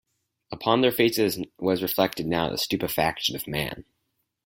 Upon their faces was reflected now the stupefaction of the man.